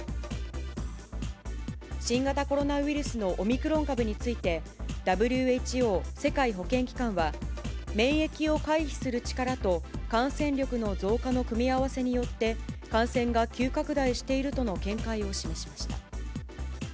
新型コロナウイルスのオミクロン株について、ＷＨＯ・世界保健機関は、免疫を回避する力と感染力の増加の組み合わせによって、感染が急拡大しているとの見解を示しました。